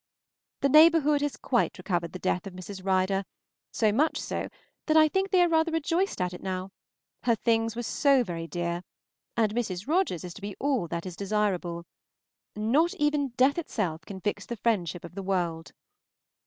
... The neighborhood have quite recovered the death of Mrs. Rider, so much so, that I think they are rather rejoiced at it now; her things were so very dear! and Mrs. Rogers is to be all that is desirable. Not even death itself can fix the friendship of the world.